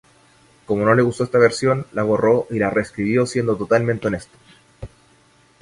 Como no le gustó esta versión la borró y la reescribió siendo totalmente honesto.